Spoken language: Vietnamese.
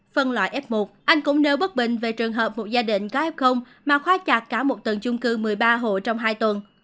phân loại f một anh cũng nêu bất bình về trường hợp một gia đình có f mà khoa chặt cả một tầng chung cư một mươi ba hộ trong hai tuần